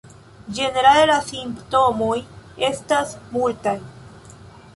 Ĝenerale la simptomoj estas multaj.